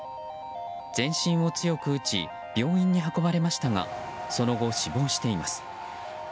全身を強く打ち病院に運ばれましたがその後、死亡しています。